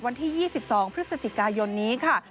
วันที่๒๒พฤศจิกายนนี้ค่ะ